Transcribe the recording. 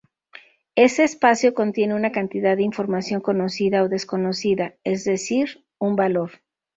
Ese espacio contiene una cantidad de información conocida o desconocida, es decir un valor.